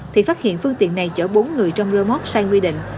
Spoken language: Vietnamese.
thì phát hiện phương tiện này chở bốn người trong rơ móc sai quy định